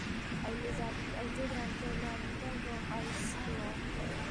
ყელი და მკერდი რამდენადმე მოყავისფროა.